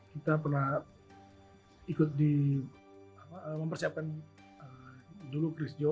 kita pernah ikut di mempersiapkan dulu christio